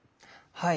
はい。